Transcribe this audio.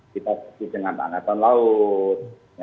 kita bekerja dengan angkatan laut ya